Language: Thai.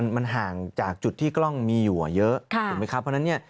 มันห่างจากจุดที่กล้องมีอยู่เยอะ